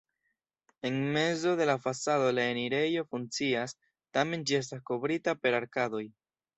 En mezo de la fasado la enirejo funkcias, tamen ĝi estas kovrita per arkadoj.